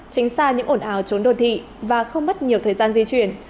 tránh xa những ổn ảo trốn đồ thị và không mất nhiều thời gian di chuyển